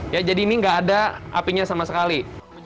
ya jadi ini nggak ada apinya sama sekali